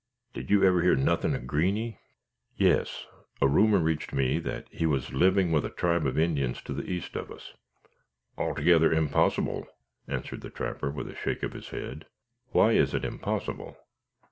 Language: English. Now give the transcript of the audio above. "Did you ever hear nothin' of Greeny?" "Yes; a rumor reached me that he was living with a tribe of Indians to the east of us." "Altogether onpossible," answered the trapper, with a shake of his head. "Why is it impossible?"